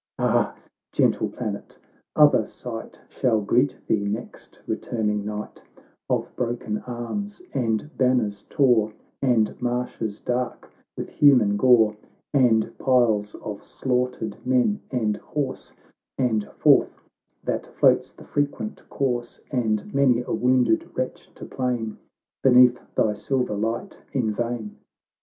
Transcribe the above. Ah, gentle planet ! other sight Shall greet thee, next returning night, Of broken arms and banners tore, And marshes dark with human gore, And piles of slaughtered men and horse, And Forth that floats the frequent corse, And many a wounded wretch to plain Beneath thy silver light in vain